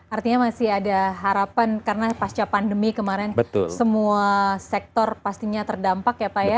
artinya masih ada harapan karena pasca pandemi kemarin semua sektor pastinya terdampak ya pak ya